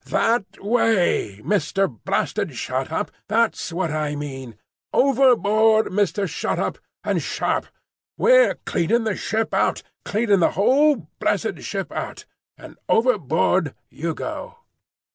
"That way, Mister Blasted Shut up,—that's what I mean! Overboard, Mister Shut up,—and sharp! We're cleaning the ship out,—cleaning the whole blessed ship out; and overboard you go!"